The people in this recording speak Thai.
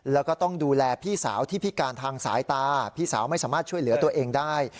แล้วก็ต้องดูแลพี่สาวที่พิการทางสายตาพี่สาวไม่สามารถช่วยเหลือตัวเองได้